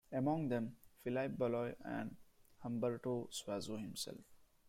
Among them Felipe Baloy and Humberto Suazo himself.